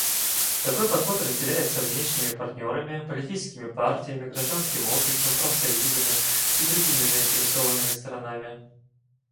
Такой подход разделяется внешними партнерами, политическими партиями, гражданским общество, профсоюзами и другими заинтересованными сторонами.